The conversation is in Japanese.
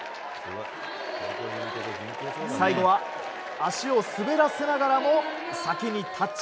最後は足を滑らせながらも先にタッチ。